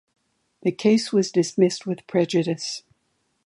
The case was dismissed with prejudice.